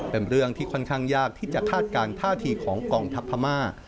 เป็นเรื่องที่ค่อนข้างยากที่จะคาดการณท่าทีของกองทัพพม่า